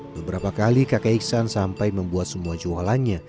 beberapa kali kakek iksan sampai membuat semua jualannya